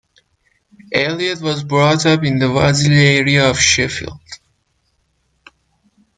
Elliott was brought up in the Wadsley area of Sheffield.